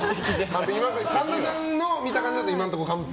神田さんの見た感じだと今のところ完璧？